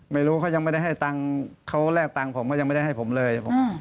ไม่รู้เขายังไม่ได้ให้ตังค์เขาแลกตังค์ผมก็ยังไม่ได้ให้ผมเลย